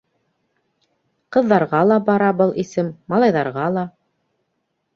Ҡыҙҙарға ла бара был исем, малайҙарға ла.